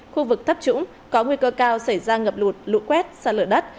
khu vực thấp trũng có nguy cơ cao xảy ra ngập lụt lụ quét xa lửa đất